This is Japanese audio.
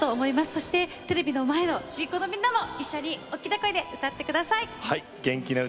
そして、テレビの前のちびっこのみんなも一緒に大きな声で歌ってください。